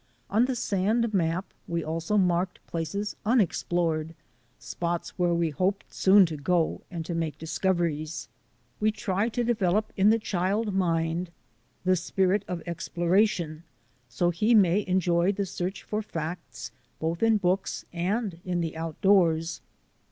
On the sand map we also marked places unexplored — spots where we hoped soon to go and to make dis coveries. We try to develop in the child mind the spirit of exploration, so he may enjoy the search for facts, both in books and in the outdoors.